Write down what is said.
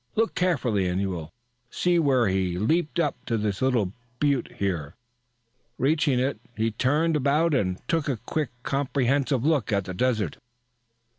Look carefully and you will see where he leaped up to this little butte here. Reaching it, he turned about and took a quick, comprehensive look at the desert."